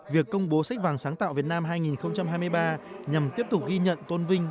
việc công bố sách vàng sáng tạo việt nam hai nghìn hai mươi ba nhằm tiếp tục ghi nhận tôn vinh